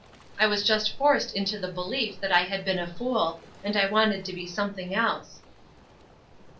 I was just forced into the belief that I had been a fool, and I wanted to be something else."